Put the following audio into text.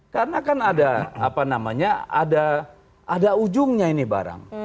karena kan ada apa namanya ada ujungnya ini barang